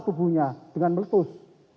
tubuhnya dengan meletus